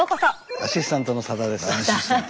アシスタントのさだです。